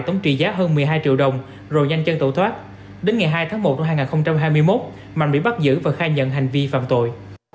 tổng trị giá hơn một mươi hai triệu đồng rồi nhanh chân tẩu thoát đến ngày hai tháng một năm hai nghìn hai mươi một mạnh bị bắt giữ và khai nhận hành vi phạm tội